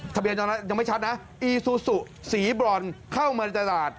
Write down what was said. ตอนนั้นยังไม่ชัดนะอีซูซูสีบรอนเข้ามาในตลาด